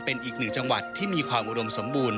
เป็นอีกหนึ่งจังหวัดที่มีความอุดมสมบูรณ